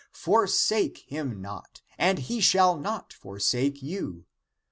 Forsake him not, and he shall not forsake you.